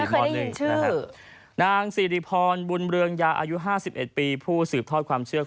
ไม่เคยได้ยินชื่อ